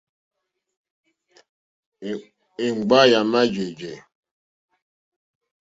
Èŋɡba yà má jèjɛ̀.